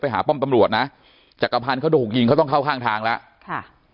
หาป้อมตำรวจนะจักรพันธ์เขาถูกยิงเขาต้องเข้าข้างทางแล้วค่ะ